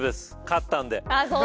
勝ったので。